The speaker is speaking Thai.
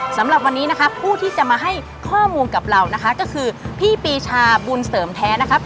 สำหรับวันนี้นะครับผู้ที่จะมาให้ข้อมูลกับเรานะคะก็คือพี่ปีชาบุญเสริมแท้นะครับ